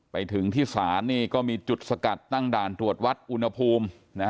ไปถึงที่ศาลก็มีจุดสกัดตั้งด่านตรวจวัดอุณหภูมิ